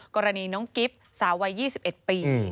กรณีน้องกิฟต์สาววัย๒๑ปี